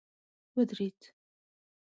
ودريد.